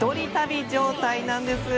再び、一人旅状態なんです。